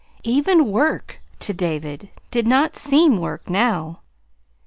Even work, to David, did not seem work now.